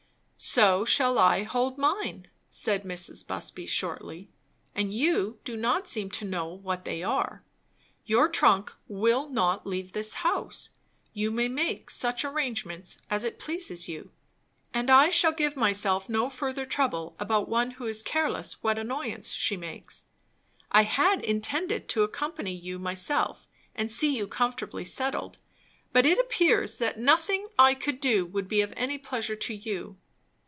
"So shall I hold mine," said Mrs. Busby shortly; "and you do not seem to know what they are. Your trunk will not leave this house; you may make such arrangements as it pleases you. And I shall give myself no further trouble about one who is careless what annoyance she makes me. I had intended to accompany you myself and see you comfortably settled; but it appears that nothing I could do would be of any pleasure to you.